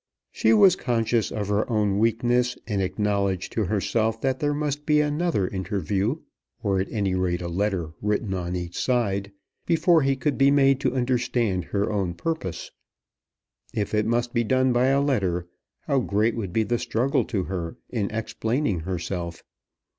She was conscious of her own weakness, and acknowledged to herself that there must be another interview, or at any rate a letter written on each side, before he could be made to understand her own purpose. If it must be done by a letter, how great would be the struggle to her in explaining herself.